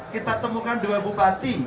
kita temukan dua bupati